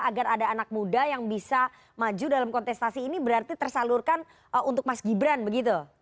agar ada anak muda yang bisa maju dalam kontestasi ini berarti tersalurkan untuk mas gibran begitu